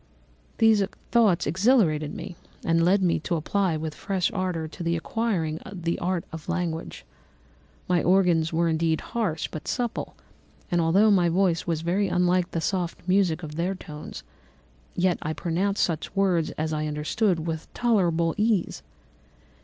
"These thoughts exhilarated me and led me to apply with fresh ardour to the acquiring the art of language. My organs were indeed harsh, but supple; and although my voice was very unlike the soft music of their tones, yet I pronounced such words as I understood with tolerable ease.